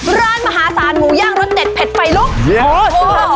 ร้านมหาศาลหมูย่างรสเด็ดเผ็ดไฟลุกโอ้โห